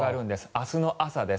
明日の朝です。